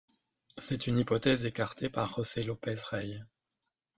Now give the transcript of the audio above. C'est une hypothèse écartée par José López-Rey.